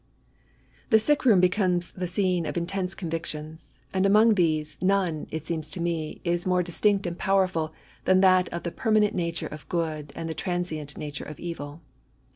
The sick room becomes die scene of intense donvictions ; and among these^ none^ it seems to me, is more distinct and powerful than that of the permanent nature of good, and the transient liature of evil.